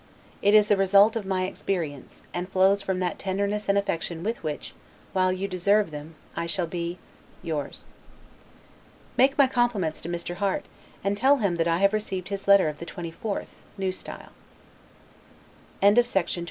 It is the result of my experience, and flows from that tenderness and affection with which, while you deserve them, I shall be, Yours. Make my compliments to Mr. Harte, and tell him that I have received his letter of the 24th, N. S. LETTER XLI LONDON, May 31, O. S.